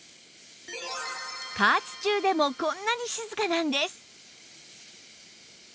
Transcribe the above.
加圧中でもこんなに静かなんです